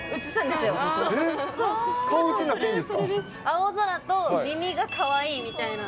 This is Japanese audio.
青空と耳がかわいいみたいな。